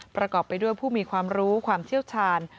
ประกอบไปด้วยผู้มีความรู้ความเชี่ยวชาญ